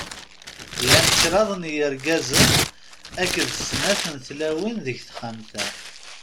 Llan kraḍ n yirgazen akked d snat n tlawin deg texxamt-a.